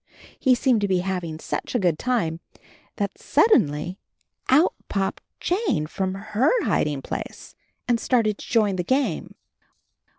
He seemed to be having such a good time, that suddenly out popped Jane AND HIS KITTEN TOPSY IS from her hiding place and started to join the game.